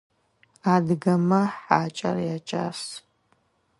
Адыгэмэ хьакIэр якIас.